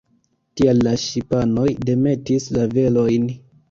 Tial la ŝipanoj demetis la velojn.